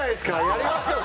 やりますよ